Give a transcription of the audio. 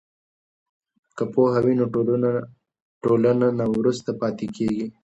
که پوهه وي نو ټولنه نه وروسته پاتې کیږي.